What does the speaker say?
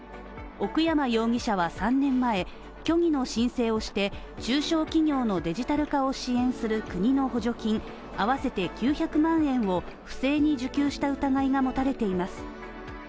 奥山容疑者は３年前、虚偽の申請をして中小企業のデジタル化を支援する国の補助金合わせて９００万円を、不正に受給した疑いが持たれています。